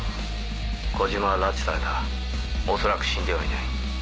小島は拉致された恐らく死んではいない。